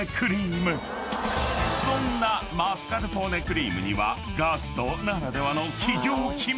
［そんなマスカルポーネクリームにはガストならではの企業秘密］